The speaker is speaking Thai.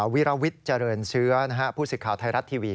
วิราวิดเจริญเซื้อผู้ศึกข่าวไทยรัฐทีวี